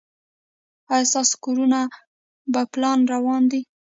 ایا ستاسو کارونه په پلان روان دي؟